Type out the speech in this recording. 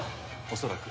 恐らく。